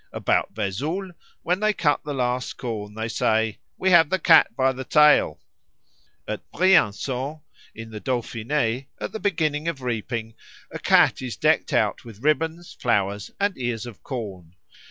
About Vesoul when they cut the last corn they say, "We have the Cat by the tail." At Briançon, in Dauphiné, at the beginning of reaping, a cat is decked out with ribbons, flowers, and ears of corn.